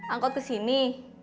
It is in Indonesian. angkot ke sini